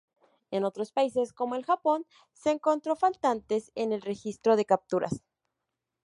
En otros países como el Japón se encontró faltantes en el registro de capturas.